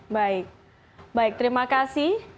baik baik terima kasih